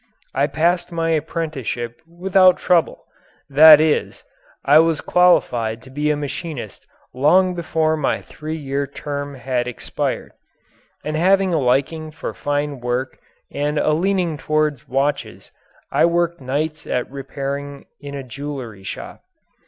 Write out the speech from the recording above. I passed my apprenticeship without trouble that is, I was qualified to be a machinist long before my three year term had expired and having a liking for fine work and a leaning toward watches I worked nights at repairing in a jewelry shop.